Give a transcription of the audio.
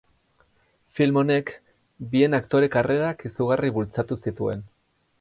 Film honek, bien aktore karrerak izugarri bultzatu zituen.